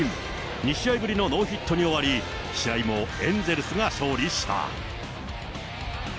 ２試合ぶりのノーヒットに終わり、試合もエンゼルスが勝利した。